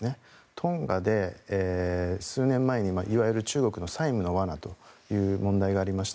トンガで数年前にいわゆる中国の債務の罠という問題がありました。